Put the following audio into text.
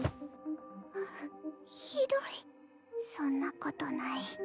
あっひどいそんなことない。